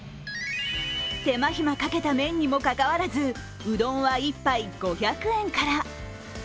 手間暇かけた麺にもかかわらずうどんは１杯５００円から。